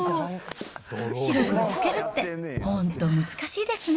白黒つけるって、本当難しいですね。